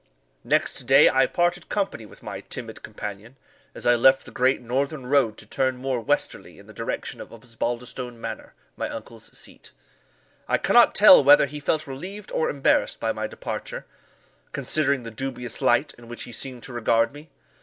Next day I parted company with my timid companion, as I left the great northern road to turn more westerly in the direction of Osbaldistone Manor, my uncle's seat. I cannot tell whether he felt relieved or embarrassed by my departure, considering the dubious light in which he seemed to regard me.